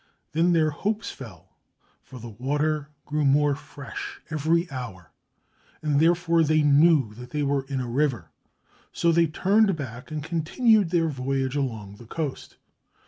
Then their hopes fell, for the water grew more fresh every hour, and therefore they knew that they were in a river; so they turned back and continued their voyage along the coast.